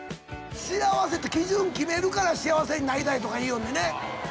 幸せって基準決めるから幸せになりたいとか言いよんでね。